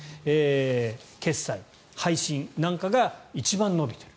決済、配信なんかが一番伸びている。